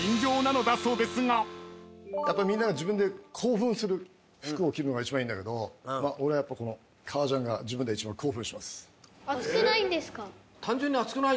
やっぱみんな自分で興奮する服を着るのが一番いいんだけど俺はやっぱこの革ジャンが自分では一番興奮します。